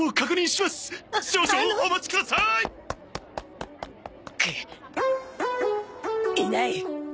いない！